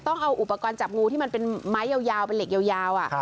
ต้องเอาอุปกรณ์จับงูที่มันเป็นไม้ยาวเป็นเหล็กยาว